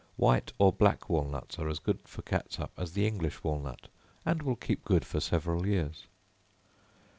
White or black walnuts are as good for catsup as the English walnut, and will keep good for several years.